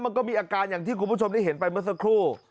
มันก็มีอาการอย่างที่คุณผู้ชมได้เห็นไปเมื่อสักครู่